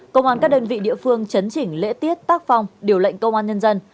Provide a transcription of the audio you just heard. công an các đơn vị địa phương chấn chỉnh lễ tiết tác phong điều lệnh công an nhân dân